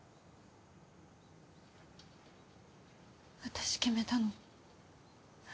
私決めたの。